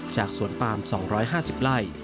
จากสวนปาล์ม๒๕๐ไร่